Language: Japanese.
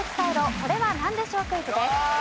これは何でしょうクイズです。